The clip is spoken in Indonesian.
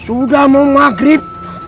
sudah mau maghrib